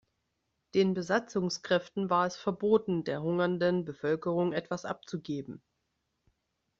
Den Besatzungskräften war es verboten, der hungernden Bevölkerung etwas abzugeben.